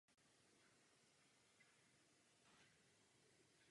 Členské státy by měly mít možnost zvolit si nejlepší postup.